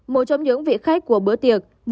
một trong những vị khách của bữa tiệc